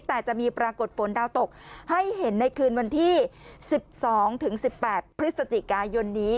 แต่จะมีปรากฏฝนดาวตกให้เห็นในคืนวันที่๑๒๑๘พฤศจิกายนนี้